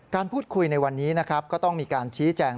การพูดคุยในวันนี้นะครับก็ต้องมีการชี้แจง